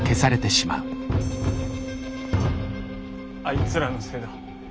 あいつらのせいだ。